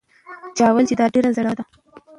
چا وویل چې دا ډېره زړه وره ده؟